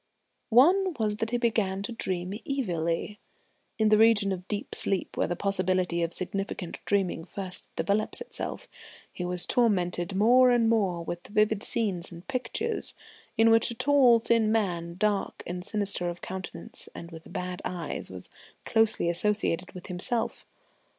One was that he began to dream evilly. In the region of deep sleep, where the possibility of significant dreaming first develops itself, he was tormented more and more with vivid scenes and pictures in which a tall thin man, dark and sinister of countenance, and with bad eyes, was closely associated with himself.